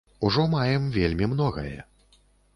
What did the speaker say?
Ужо маем вельмі многае.